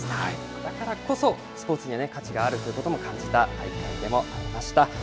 だからこそ、スポーツには価値があるということも感じた大会でもありました。